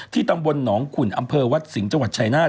ที่ตำบลหนองขุ่นอำเภอวัตต์สิงห์จาวัดชายนาฏ